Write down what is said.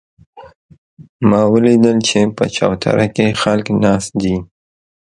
ما ولیدل چې په چوتره کې خلک ناست دي